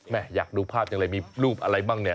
อยากดูภาพจังเลยมีรูปอะไรบ้างเนี่ย